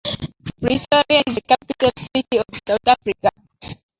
Pretoria is the capital city of South Africa.